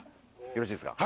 よろしいですか？